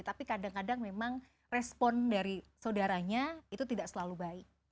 tapi kadang kadang memang respon dari saudaranya itu tidak selalu baik